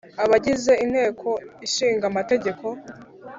abagize inteko ishinga amategeko